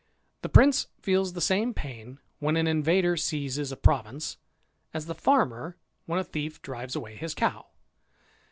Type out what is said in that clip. The prince feels the same pain when an invader seizes a province, as the farmer when a thief drives away his cow.